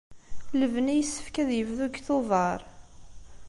Lebni yessefk ad yebdu deg Tubeṛ.